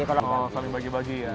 kadang saling bagi bagi ya